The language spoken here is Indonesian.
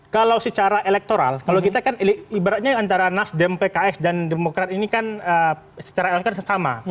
kalau secara elektoral kalau kita kan ibaratnya antara nasdem pks dan demokrat ini kan secara elektor sama